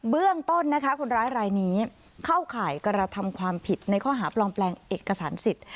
เบื้องต้นนะคะคนร้ายรายนี้เข้าข่ายกระทำความผิดในข้อหาปลอมแปลงเอกสารสิทธิ์